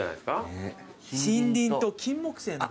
森林とキンモクセイの。